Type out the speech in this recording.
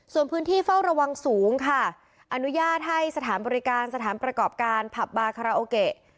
ส่วนพื้นที่เฝ้าระวังสูงค่ะอนุญาตให้สถานบริการสถานประกอบการผับบาคาราโอเกะ